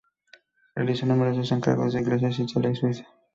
Realizó numerosos encargos de iglesias de Italia y Suiza.